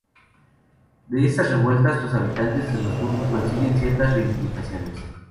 De estas revueltas, los habitantes de los burgos consiguen ciertas reivindicaciones.